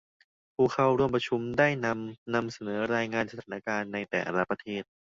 ผู้เข้าร่วมประชุมได้นำนำเสนอรายงานสถานการณ์ในแต่ละประเทศ